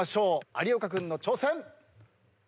有岡君の挑戦。